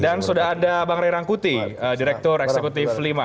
dan sudah ada bang ray rangkuti direktur eksekutif lima